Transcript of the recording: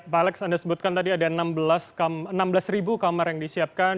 pak alex anda sebutkan tadi ada enam belas kamar yang disiapkan